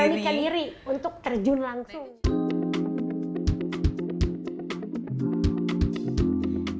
beranikan diri untuk terjun langsung